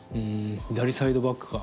左サイドバックか。